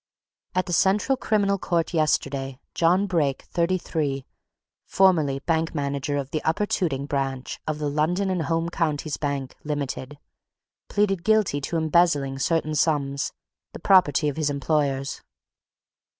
At the Central Criminal Court yesterday, John Brake, thirty three, formerly manager of the Upper Tooting branch of the London & Home Counties Bank, Ltd., pleaded guilty to embezzling certain sums, the property of his employers.